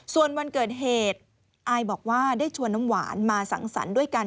ส่วนวันเกิดเหตุอายบอกว่าได้ชวนน้ำหวานมาสังสรรค์ด้วยกัน